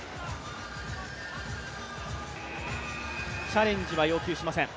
チャレンジは要求しません。